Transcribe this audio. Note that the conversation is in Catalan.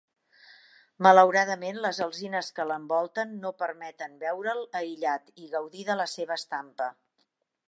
Malauradament, les alzines que l'envolten no permeten veure'l aïllat i gaudir de la seua estampa.